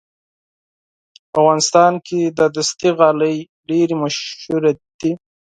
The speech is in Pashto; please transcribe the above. په افغانستان کې دستي غالۍ ډېرې مشهورې دي.